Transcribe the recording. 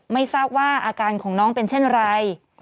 ไม่ทราบว่าอาการของน้องเป็นเช่นไร